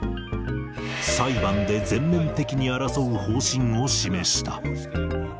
裁判で全面的に争う方針を示した。